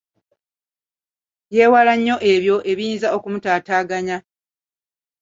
Yeewala nnyo ebyo ebiyinza okumutaataaganya.